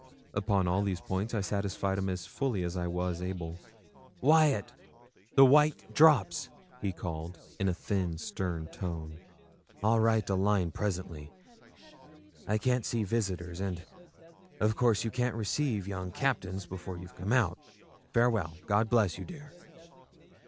Upon all these points I satisfied him as fully as I was able. 'Wyat the white drops,' he called, in a thin, stern tone. 'I'll write a line presently. I can't see visitors, and, of course, you can't receive young captains before you've come out. Farewell! God bless you, dear.'